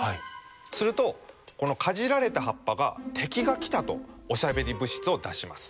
するとこのかじられた葉っぱが「敵が来た！」とおしゃべり物質を出します。